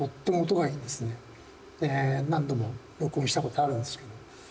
何度も録音したことあるんですけど。